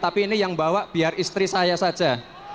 tapi ini yang bawa biar istri saya saja